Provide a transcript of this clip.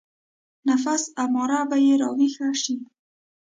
نفس اماره به يې راويښ شي.